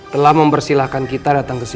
telah mempersilahkan kita datang kesini